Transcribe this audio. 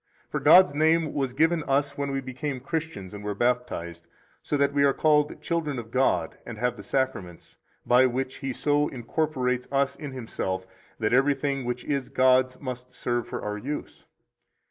For God's name was given us when we became Christians and were baptized, so that we are called children of God and have the Sacraments, by which He so incorporates us in Himself that everything which is God's must serve for our use.